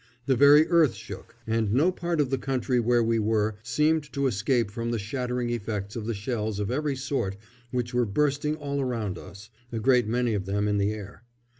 The very earth shook, and no part of the country where we were seemed to escape from the shattering effects of the shells of every sort which were bursting all around us, a great many of them in the air.